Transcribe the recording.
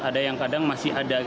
ada yang kadang masih ada